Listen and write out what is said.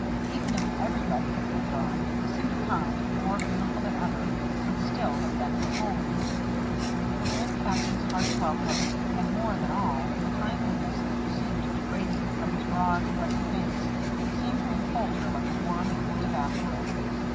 Even if everybody had been gone, the Cinder Pond, more beautiful than ever, would still have been home. But Old Captain's hearty welcome, and, more than all, the kindliness that seemed to radiate from his broad, ruddy face, seemed to enfold her like a warm, woolly bathrobe.